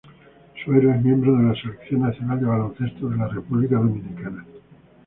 Suero es miembro de la Selección nacional de baloncesto de la República Dominicana.